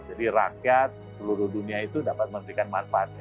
jadi rakyat seluruh dunia itu dapat memberikan manfaatnya